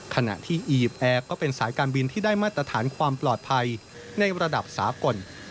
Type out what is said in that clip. ขณะที่อียิปต์แอร์ก็เป็นสายการบินที่ได้มาตรฐานความปลอดภัยในระดับสากล